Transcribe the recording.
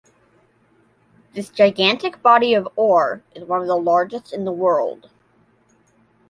This gigantic body of ore is one of the largest in the world.